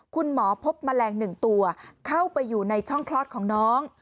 พบแมลง๑ตัวเข้าไปอยู่ในช่องคลอดของน้อง